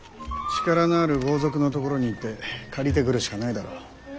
力のある豪族のところに行って借りてくるしかないだろう。